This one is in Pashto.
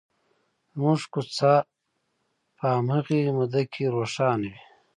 زموږ کوڅه په هماغې موده کې روښانه وي.